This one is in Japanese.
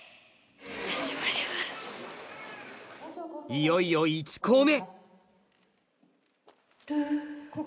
いよいよ１校目